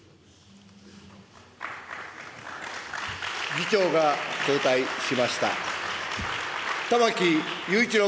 議長が交代しました。